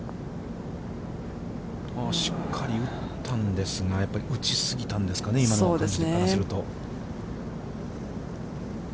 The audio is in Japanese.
しっかり打ったんですが、やっぱり打ち過ぎたんですかね、今の感じからすると。